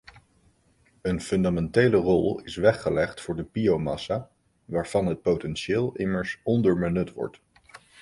Een fundamentele rol is weggelegd voor de biomassa, waarvan het potentieel immers onderbenut wordt.